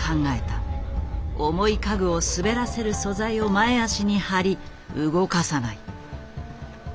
重い家具を滑らせる素材を前脚に貼り動かさない。